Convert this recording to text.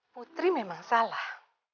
putri memang salah